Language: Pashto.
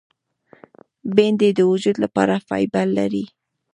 بېنډۍ د وجود لپاره فایبر لري